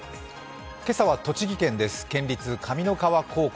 今朝は栃木県です、県立上三川高校。